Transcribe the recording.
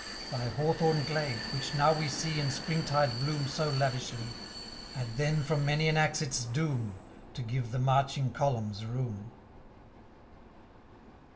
Thy hawthorn glade, which now we see In spring tide bloom so lavishly, 595 Had then from many an axe its doom, To give the marching columns room.